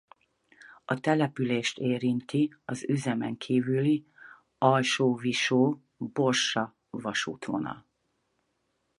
A települést érinti az üzemen kívüli Alsóvisó–Borsa-vasútvonal.